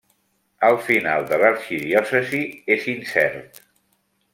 El final de l'arxidiòcesi és incert.